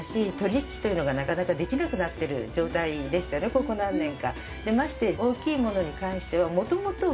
ここ何年か。